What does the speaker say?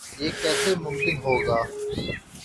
یہ کیسے ممکن ہو گا؟